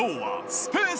スペース。